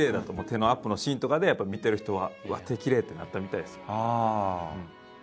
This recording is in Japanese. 手のアップのシーンとかでやっぱり見てる人は「うわっ手きれい」ってなったみたいですよ。